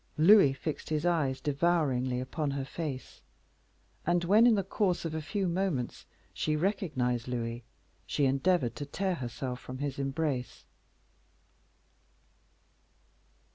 Louis fixed his eyes devouringly upon her face; and when, in the course of a few moments, she recognized Louis, she endeavored to tear herself from his embrace.